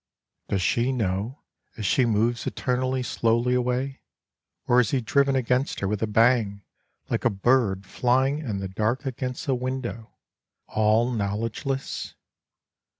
Does she know As she moves eternally slowly away? Or is he driven against her with a bang, like a bird flying in the dark against a window, All knowledgeless?